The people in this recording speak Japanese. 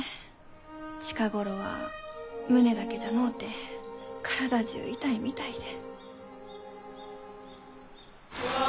近頃は胸だけじゃのうて体じゅう痛いみたいで。